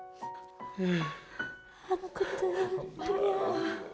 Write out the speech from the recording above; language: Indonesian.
aku terima kasih